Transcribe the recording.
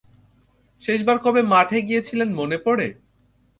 শেষবার কবে মাঠে গিয়েছিলেন মনে পড়ে?